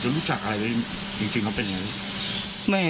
จะรู้จักอะไรจริงเขาเป็นยังไง